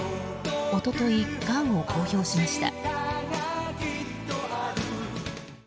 一昨日、がんを公表しました。